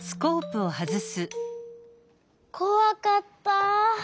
こわかった！